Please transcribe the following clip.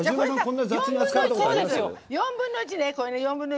４分の１ね。